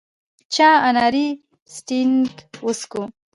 چا اناري سټینګ وڅښو.